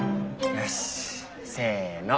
よしせの。